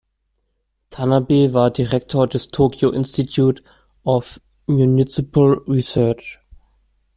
Tanabe war Direktor des „Tokyo Institute of Municipal Research“.